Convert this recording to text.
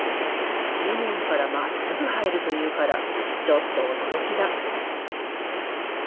地面からまっすぐ生えるというからちょっと驚きだ。